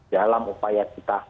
dalam upaya kita